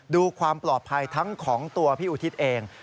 ดูความปลอดภัยทั้งของตัวพี่อุทิศเอง